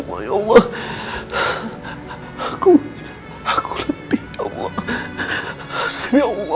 kalau siapa yang ada